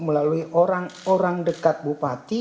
melalui orang orang dekat bupati